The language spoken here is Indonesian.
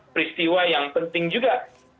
peristiwa yang penting juga